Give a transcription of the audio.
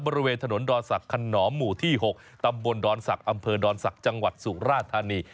บริเวณถนนดอนศักดิขนอมหมู่ที่๖ตำบลดอนศักดิ์อำเภอดอนศักดิ์จังหวัดสุราธานี